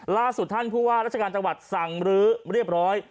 ล่าสุดท่านผู้ว่าราชการจังหวัดสั่งรื้อเรียบร้อย